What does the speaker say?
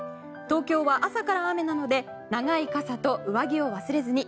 東京は朝から雨なので長い傘と上着を忘れずに。